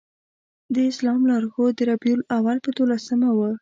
د اسلام لار ښود د ربیع الاول په دولسمه و.